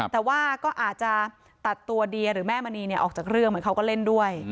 แต่ว่าก็อาจจะตัดตัวเดียหรือแม่มณีออกจากเรื่องเหมือนเขาก็เล่นด้วย